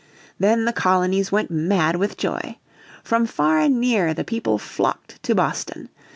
Then the colonies went mad with joy. From far and near the people flocked to Boston.